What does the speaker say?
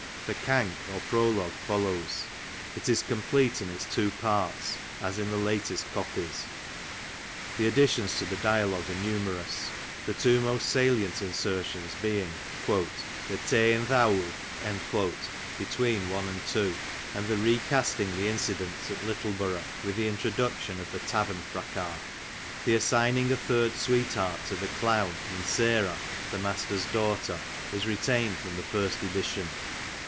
"" The Cank or prologue follows ; it is complete in its two parts, as in the latest copies. The additions to the dialogue are numerous, the two most salient inser tions being *^tho teying th" eawl" between 1 and 2, and the re casting the incidents at Littleborough, with the introduction of the tavern fracas. The assigning a third sweetheart to the clown in "Seroh,'" the master's daughter, is retained from the first edition.